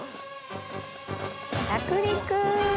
着陸！